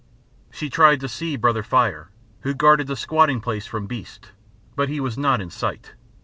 She tried to see Brother Fire, who guarded the squatting place from beasts, but he was not in sight.